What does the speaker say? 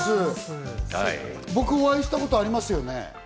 僕、お会いしたことありますよね？